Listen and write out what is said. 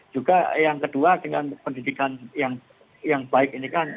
juga yang kedua dengan pendidikan yang baik ini kan